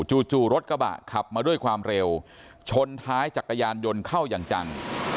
จู่รถกระบะขับมาด้วยความเร็วชนท้ายจักรยานยนต์เข้าอย่างจัง